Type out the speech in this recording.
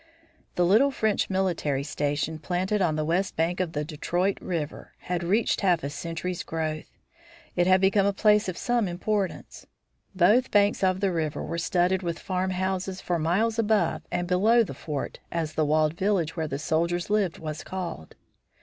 The little French military station planted on the west bank of the Detroit River had reached half a century's growth. It had become a place of some importance. Both banks of the river were studded with farmhouses for miles above and below the "fort," as the walled village where the soldiers lived was called.